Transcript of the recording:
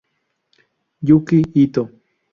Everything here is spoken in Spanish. Yūki Itō